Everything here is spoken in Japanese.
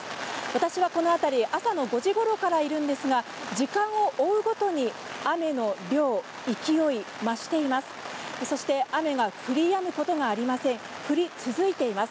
私はこの辺りに朝の５時頃からいるんですが、時間を追うごとに雨の量、勢いが増しています。